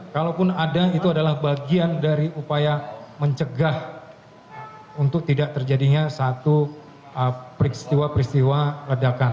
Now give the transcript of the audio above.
kalaupun ada itu adalah bagian dari upaya mencegah untuk tidak terjadinya satu peristiwa peristiwa ledakan